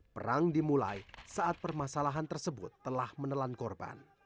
perang dimulai saat permasalahan tersebut telah menelan korban